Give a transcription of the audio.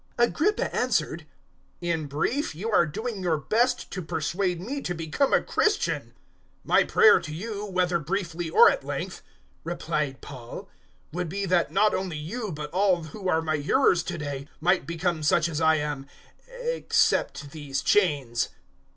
026:028 Agrippa answered, "In brief, you are doing your best to persuade me to become a Christian." 026:029 "My prayer to God, whether briefly or at length," replied Paul, "would be that not only you but all who are my hearers to day, might become such as I am except these chains."